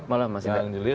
selamat malam mas ibrani